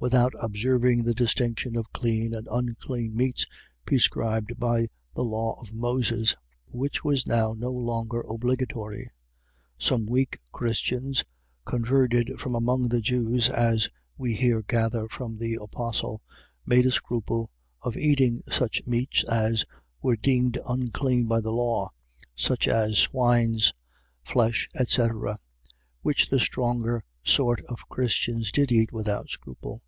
without observing the distinction of clean and unclean meats, prescribed by the law of Moses: which was now no longer obligatory. Some weak Christians, converted from among the Jews, as we here gather from the apostle, made a scruple of eating such meats as were deemed unclean by the law; such as swine's flesh, etc., which the stronger sort of Christians did eat without scruple.